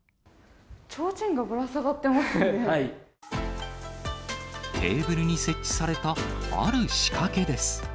ちょうちんがぶら下がっていテーブルに設置されたある仕掛けです。